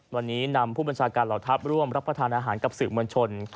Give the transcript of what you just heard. วันนี้นำผู้บัญชาการเหล่าทัพร่วมรับประทานอาหารกับสื่อมวลชน